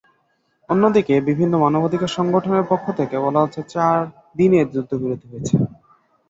অন্যদিকে বিভিন্ন মানবাধিকার সংগঠনের পক্ষ থেকে বলা হচ্ছে, চার দিনের যুদ্ধবিরতি হয়েছে।